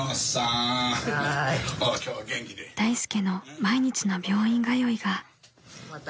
［大助の毎日の病院通いが］